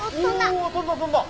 お飛んだ飛んだ